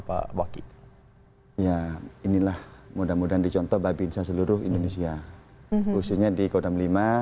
pak wakit ya inilah mudah mudahan dicontoh babinsah seluruh indonesia usirnya di kodam lima